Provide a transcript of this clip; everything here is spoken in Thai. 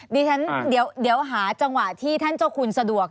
ดิฉันเดี๋ยวหาจังหวะที่ท่านเจ้าคุณสะดวก